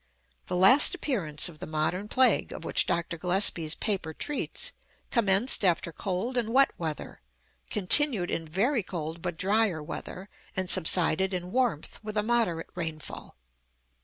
The last appearance of the modern plague, of which Dr. Gillespie's paper treats, commenced after cold and wet weather, continued in very cold but drier weather, and subsided in warmth with a moderate rainfall.